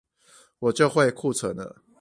我就會庫存了